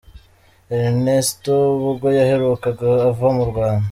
Ernesto ubwo yahagurukaga ava mu Rwanda.